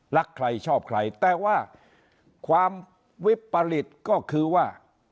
รักใครชอบใครแต่ว่าความวิปริตก็คือว่า